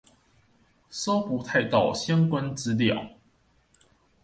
搜不太到相關資料